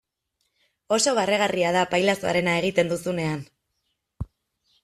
Oso barregarria da pailazoarena egiten duzunean.